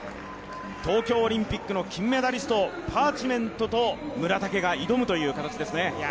東京オリンピックの金メダリスト、パーチメントと村竹が挑むという形ですね。